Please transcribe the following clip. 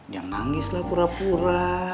yang nangis lah pura pura